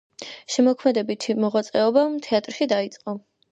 შემოქმედებითი მოღვაწეობა თეატრში დაიწყო.